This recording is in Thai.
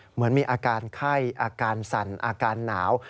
เหมือนมีอาการไข้อาการสั่นอาการหนาว